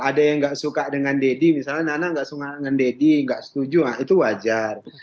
ada yang nggak suka dengan deddy misalnya nana nggak suka dengan deddy nggak setuju itu wajar